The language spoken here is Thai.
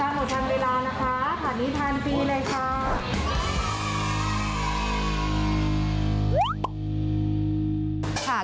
ค่ะหมดชั้นเวลานะคะผ่านนี้พันธุ์ปีเลยค่ะ